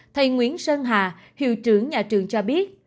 thầy nguyễn sơn hà hiệu trưởng nhà trường cho biết